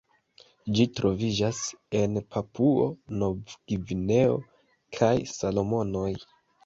Ĝi troviĝas en Papuo-Novgvineo kaj Salomonoj.